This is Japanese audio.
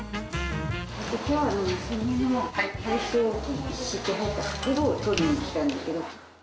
きょう、娘の体操服一式入った袋を取りに来たんですけど。